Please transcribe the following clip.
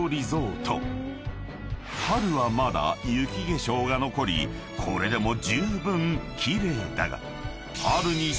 ［春はまだ雪化粧が残りこれでもじゅうぶん奇麗だが］